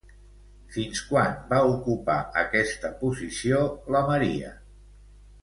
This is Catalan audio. Fins quan va ocupar aquesta posició la Maria?